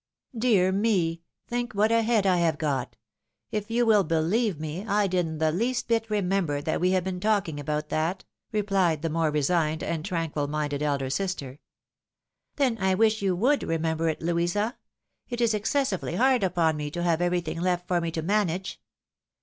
" Dear me ! Tliink what a head I have got ! If you will believe me, I didn't the least bit remember that we had been talking about that," replied the more resigned and tranquil minded elder sister. " Then I wish you would remember it, Louisa ! It is ex cessively hard upon me to have everything left for me to manage.